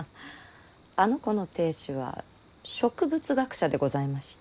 あの子の亭主は植物学者でございまして。